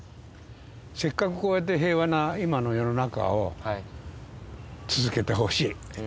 せっかくこうやって平和な今の世の中を続けてほしい。